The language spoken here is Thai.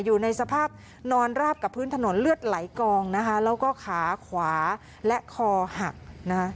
อยู่ในสภาพนอนราบกับพื้นถนนเลือดไหลกองนะคะแล้วก็ขาขวาและคอหักนะคะ